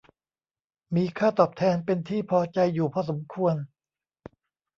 มีค่าตอบแทนเป็นที่พอใจอยู่พอสมควร